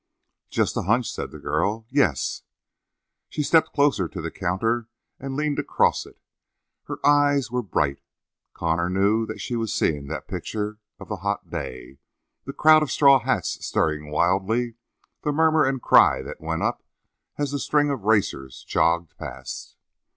"Just a hunch," said the girl. "Yes!" She stepped closer to the counter and leaned across it. Her eyes were bright. Connor knew that she was seeing that picture of the hot day, the crowd of straw hats stirring wildly, the murmur and cry that went up as the string of racers jogged past.